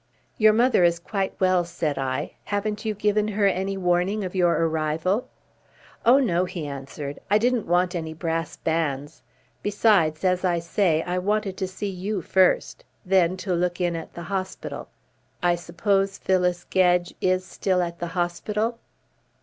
"Your mother is quite well," said I. "Haven't you given her any warning of your arrival?" "Oh, no!" he answered. "I didn't want any brass bands. Besides, as I say, I wanted to see you first. Then to look in at the hospital. I suppose Phyllis Gedge is still at the hospital?"